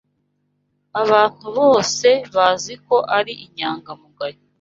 Abantu bose bazi ko ari inyangamugayo.